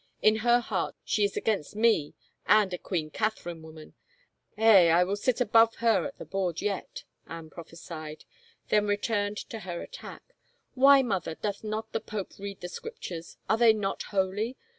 In her heart she is against me and a Queen Catherine woman. Eh, I will sit above her at the board yet !" Anne prophesied, 13 169 THE FAVOR OF KINGS then returned to her attack. '* Why, mother, doth not the pope read the Scriptures ? Are they not holy